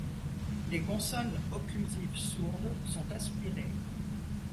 Les consonnes occlusives sourdes sont aspirées.